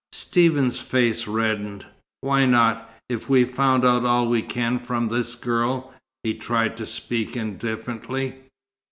Stephen's face reddened. "Why not, if we've found out all we can from this girl?" He tried to speak indifferently.